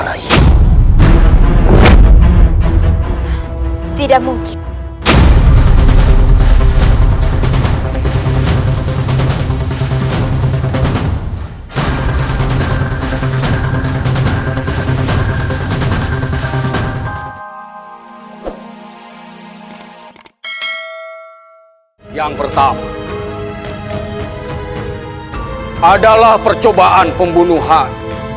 rai tidak mungkin yang pertama adalah percobaan pembunuhan